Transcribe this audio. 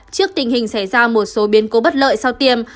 trước tình hình xảy ra một số biến cố bất lợi sau tiêm